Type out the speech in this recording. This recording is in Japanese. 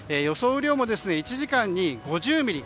雨量も１時間に５０ミリ。